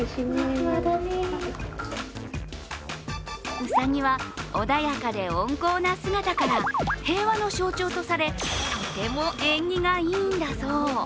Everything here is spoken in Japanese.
うさぎは穏やかで温厚な姿から平和の象徴とされとても縁起がいいんだそう。